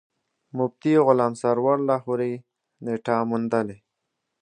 مفتي غلام سرور لاهوري نېټه موندلې.